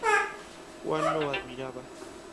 Juan lo admiraba.